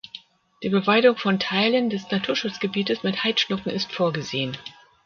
Die Beweidung von Teilen des Naturschutzgebietes mit Heidschnucken ist vorgesehen.